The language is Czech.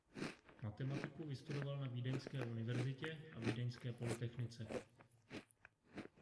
Matematiku vystudoval na Vídeňské univerzitě a Vídeňské polytechnice.